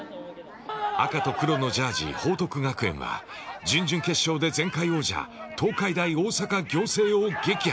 赤と黒のジャージ報徳学園は、準々決勝で前回王者東海大大阪仰星を撃破。